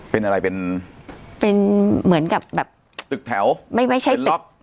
เป็นอะไรเป็นเป็นเหมือนกับแบบตึกแถวไม่ใช่ตึก